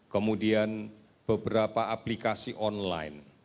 kemudian beberapa aplikasi online